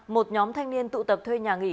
một nhóm thanh niên tụ tập thuê nhà nghỉ